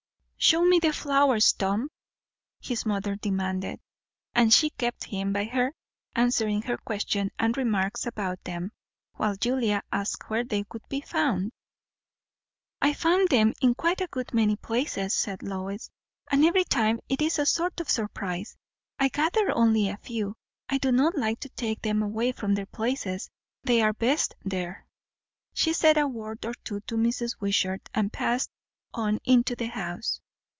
"Show me the flowers, Tom," his mother demanded; and she kept him by her, answering her questions and remarks about them; while Julia asked where they could be found. "I find them in quite a good many places," said Lois; "and every time it is a sort of surprise. I gathered only a few; I do not like to take them away from their places; they are best there." She said a word or two to Mrs. Wishart, and passed on into the house.